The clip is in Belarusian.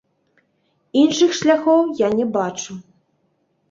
Іншых шляхоў я не бачу.